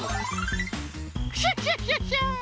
クシャシャシャシャ！